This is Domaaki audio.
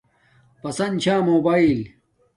پسند چھا موباݵل